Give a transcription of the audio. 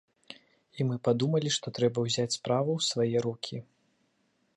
І мы падумалі, што трэба ўзяць справу ў свае рукі.